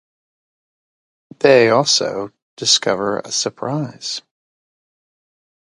They also discover a surprise.